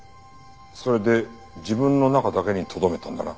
それで自分の中だけにとどめたんだな。